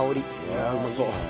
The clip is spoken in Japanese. いやあうまそう。